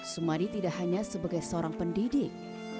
sumadi tidak hanya sebagai seorang pendidik